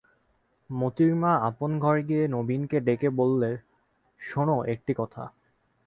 মোতির মা আপন ঘরে গিয়ে নবীনকে ডেকে বললে, শোনো একটি কথা।